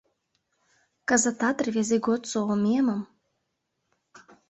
Кызытат рвезе годсо омемым?